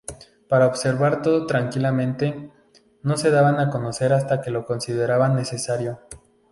Para observar todo tranquilamente, no se daban a conocer hasta que lo consideraban necesario.